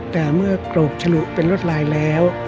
แต่เมื่อกรกฉลุเป็นรวดลายแล้ว